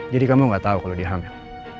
jadi kamu gak tau kalau dia hamil